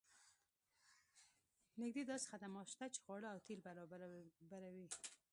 نږدې داسې خدمات شته چې خواړه او تیل برابروي